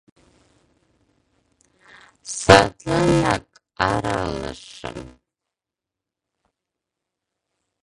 Садланак аралышым.